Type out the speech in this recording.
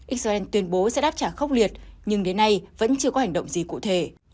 israel tuyên bố sẽ đáp trả khốc liệt nhưng đến nay vẫn chưa có hành động gì cụ thể